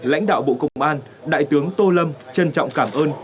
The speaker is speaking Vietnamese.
lãnh đạo bộ công an đại tướng tô lâm trân trọng cảm ơn